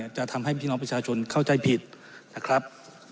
จะทำให้พี่น้องประชาชนเข้าใจผิดนะครับ